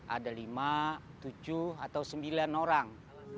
ada lima tujuh atau sembilan orang